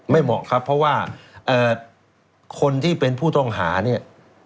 เหมาะครับเพราะว่าคนที่เป็นผู้ต้องหาเนี่ย